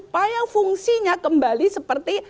supaya fungsinya kembali seperti